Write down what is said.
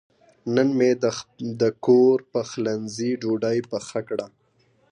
نن مې د کور پخلنځي ډوډۍ پخه کړه.